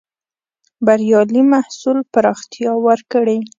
بریالي محصول پراختيا ورکړې.